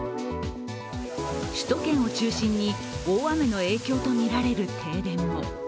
首都圏を中心に大雨の影響とみられる停電も。